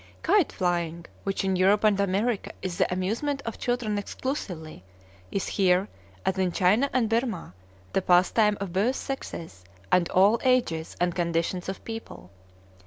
Kite flying, which in Europe and America is the amusement of children exclusively, is here, as in China and Birmah, the pastime of both sexes, and all ages and conditions of people.